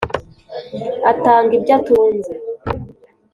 atanga ibyo atunze